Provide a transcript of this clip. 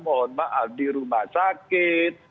mohon maaf di rumah sakit